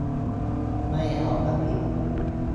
ไม่เอาประวิตร